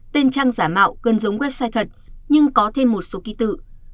tên trang giả mạo gần giống website thật nhưng có thêm một số ký tự